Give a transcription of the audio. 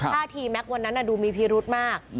ท่าทีแม็กซวันนั้นดูมีพิรุธมาก